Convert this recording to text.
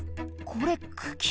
これ茎？